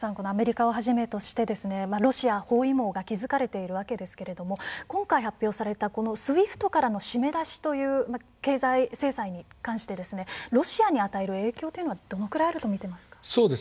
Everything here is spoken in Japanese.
アメリカをはじめとしてロシア包囲網が築かれているわけですが今回発表されたＳＷＩＦＴからの締め出しという経済制裁に関してロシアに与える影響というのはどのくらいあるとみていますか。